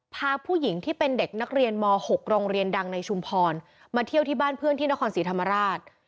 พาผู้หญิงที่เป็นเด็กนักเรียนม๖โรงเรียนดังในชุมพรมาเที่ยวที่บ้านเพื่อนที่นครศรีธรรมราช